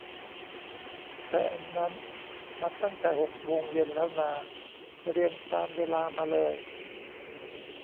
แต่อันนั้นมันตั้งแต่หกโมงเย็นแล้วนา เรียงตามเวลามาเลย